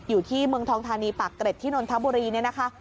อยู่ที่เมืองทองธานีปากเกร็ดที่นนทบุรีเนี่ยนะคะ